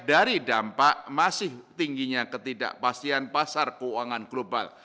dari dampak masih tingginya ketidakpastian pasar keuangan global